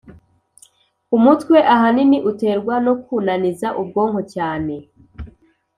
Umutwe ahanini uterwa no kunaniza ubwonko cyane